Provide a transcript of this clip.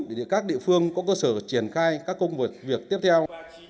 để các địa phương có cơ sở triển khai các công việc việc tiếp theo